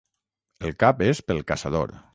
El cap és pel caçador.